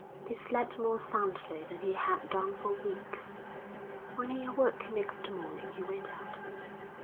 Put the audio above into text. He slept more soundly than he had done for weeks. When he awoke next morning he went out.